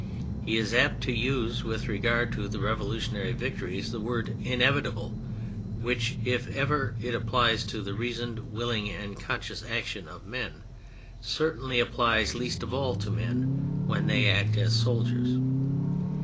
He is apt to use with regard to the revolutionary victories the word " inevitable," which, if ever it applies to the reasoned, willing and conscious action of men, certainly applies least of all to men when they act as soldiers.